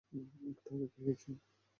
একটু আগে খেয়েছি।